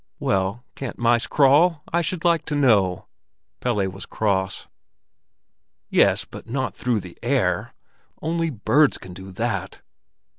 "Well, can't mice crawl, I should like to know?" Pelle was cross. "Yes; but not through the air. Only birds can do that."